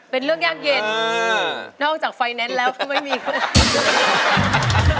เป็นเรื่องยากเย็นนอกจากไฟแนนซ์แล้วก็ไม่มี